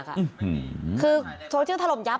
อะไรให้โซเชียลเนี่ยรุกพลึบยิ่งกว่าราดน้ำมันและจุดแก๊สอีกต่างหาก